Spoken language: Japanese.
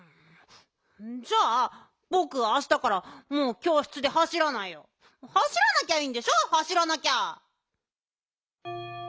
じゃあぼくあしたからもうきょうしつではしらないよ。はしらなきゃいいんでしょ？はしらなきゃ。